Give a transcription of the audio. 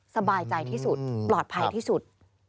สบายใจที่สุดปลอดภัยที่สุด